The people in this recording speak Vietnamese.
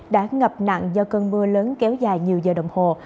đã ngập nặng do cơn mưa lớn kéo dài nhiều giờ đồng hồ